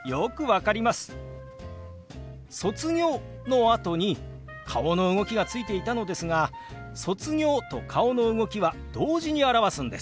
「卒業」のあとに顔の動きがついていたのですが「卒業」と顔の動きは同時に表すんです。